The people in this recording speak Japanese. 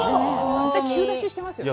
絶対キュー出ししていますよね。